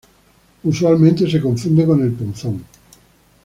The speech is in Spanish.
Usualmente es confundido por el punzón.